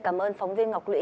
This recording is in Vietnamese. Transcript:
xin cảm ơn phóng viên ngọc lũy